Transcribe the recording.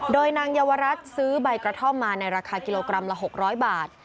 โดยนางเยาวรัฐซื้อใบกระท่อมมาในราคากิโลกรัมละ๖๐๐บาท